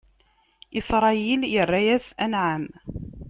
Isṛayil irra-yas: Anɛam!